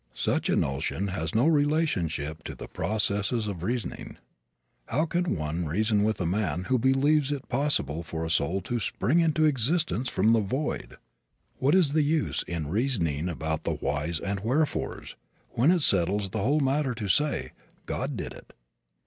Such a notion has no relationship to the processes of reasoning. How can one reason with a man who believes it possible for a soul to spring into existence from the void? What is the use in reasoning about the "whys and wherefores" when it settles the whole matter to say: "God did it"?